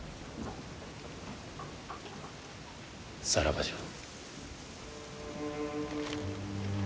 さらばじゃ。